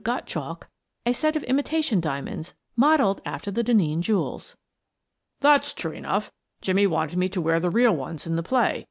Gottchalk, a set of imitation diamonds, modelled after the Denneen jewels." " That's true enough. Jimmie wanted me to wear the real ones in the play.